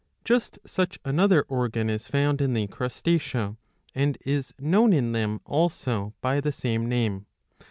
^ Just such another organ is found in the Crustacea, and is known in them also by the same name.